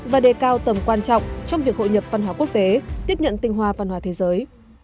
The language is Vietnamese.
và đề cao tầm quan trọng trong việc hội nhập văn hóa quốc tế tiếp nhận tinh hoa văn hóa thế giới